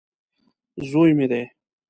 زوی مې دی.